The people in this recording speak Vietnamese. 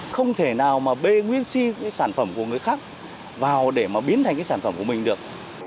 không thể nào mà bê nguyên si cái sản phẩm của người khác vào để mà biến thành cái sản phẩm của mình được